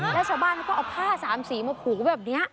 แล้วชาวบ้านเขาก็เอาผ้าสามสีมาผูกแบบนี้